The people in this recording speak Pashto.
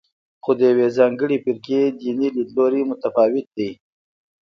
خو د یوې ځانګړې فرقې دیني لیدلوری متفاوت دی.